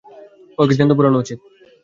ওকে জ্যান্ত পোড়ানো উচিত।